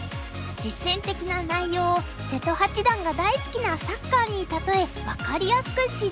実戦的な内容を瀬戸八段が大好きなサッカーに例え分かりやすく指導。